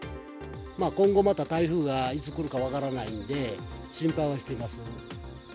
今後また、台風がいつ来るか分からないので、心配はしてます。